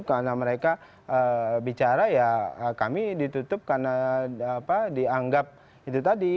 karena mereka bicara ya kami ditutup karena dianggap itu tadi